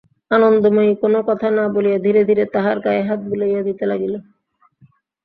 আনন্দময়ী কোনো কথা না বলিয়া ধীরে ধীরে তাহার গায়ে হাত বুলাইয়া দিতে লাগিলেন।